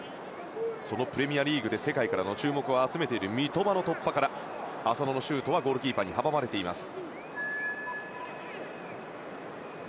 そのプレミアリーグで世界からの注目を集めている三笘の突破から浅野のシュートはゴールキーパーに阻まれています。